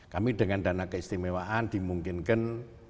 kami dengan dana keistimewaan dimungkinkan